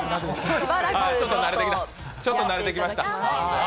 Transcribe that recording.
ちょっと慣れてきました。